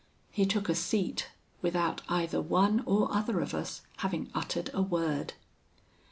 He took a seat, without either one or other of us having uttered a word.